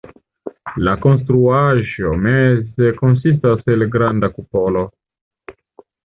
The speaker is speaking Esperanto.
La konstruaĵo meze konsistas el granda kupolo.